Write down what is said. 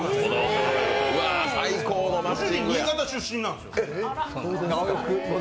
ご主人、新潟出身なんですよ。